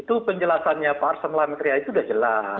itu penjelasannya pak arsang lametria itu sudah jelas